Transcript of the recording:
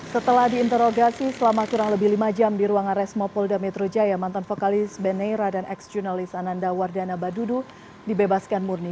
setelah diinterogasi selama kurang lebih lima jam di ruangan resmo polda metro jaya mantan vokalis beneira dan ex jurnalis ananda wardana badudu dibebaskan murni